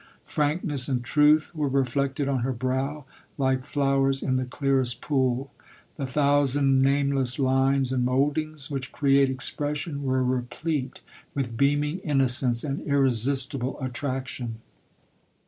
Frankness and truth were reflected on her brow, like flowers in the clearest pool; the thou sand nameless lines and mouldings, which create expression, were replete with beaming innocence and irresistible attraction.